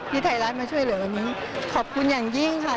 ไทยรัฐมาช่วยเหลือวันนี้ขอบคุณอย่างยิ่งค่ะ